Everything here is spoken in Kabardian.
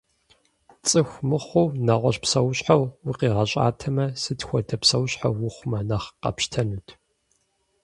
Цӏыху мыхъуу нэгъуэщӏ псэущхьэу укъигъэщӏатэмэ, сыт хуэдэ псэущхьэ ухъумэ нэхъ къэпщтэнут?